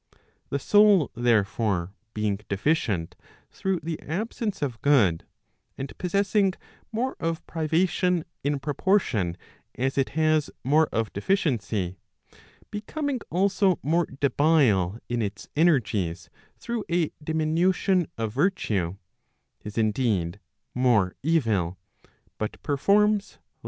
The soul, therefore, being deficient through the absence of good, and possessing more of privation in proportion as it has more of deficiency, becoming also more debile in its energies through a diminution of virtue, is indeed more evil, but performs less.